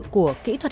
của kỹ thuật